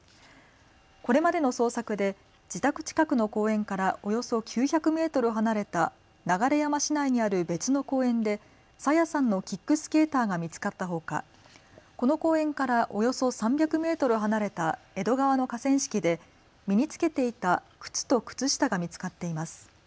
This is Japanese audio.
これまでの捜索で自宅近くの公園からおよそ９００メートル離れた流山市内にある別の公園で朝芽さんのキックスケーターが見つかったほか、この公園からおよそ３００メートル離れた江戸川の河川敷で身に着けていた靴と靴下が見つかっています。